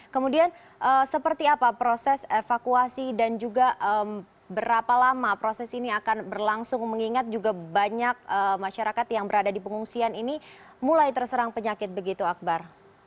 kemudian seperti apa proses evakuasi dan juga berapa lama proses ini akan berlangsung mengingat juga banyak masyarakat yang berada di pengungsian ini mulai terserang penyakit begitu akbar